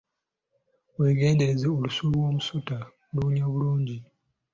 Weegendereze olusu lw'omusota luwunya bulungi.